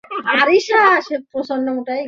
Chiyoko জানেনা ওর জায়গা কোথায়।